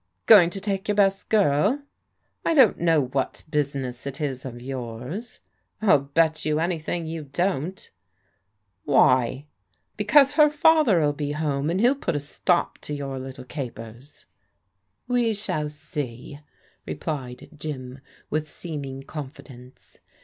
" Going to take your best girl ?"" I don't know what business it is of yours." " 111 bet you anything you don't." "Why?" " Because her f ather'll be home, and he'll put a stop to your little capers." " We shall see," replied Jim with seeming confidence.